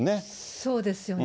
そうですよね。